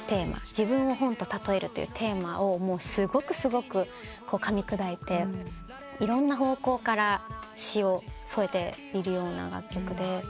自分を本と例えるというテーマをすごくすごくかみ砕いていろんな方向から詞を添えているような楽曲で。